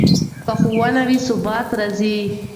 که ښوونه وي، ثبات راځي.